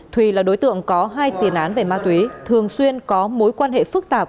thùy là đối tượng có hai tiền án về ma túy thường xuyên có mối quan hệ phức tạp